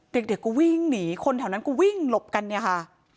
เด็กก็วิ่งหนีคนแถวนั้นก็วิ่งหลบกันเนี่ยค่ะ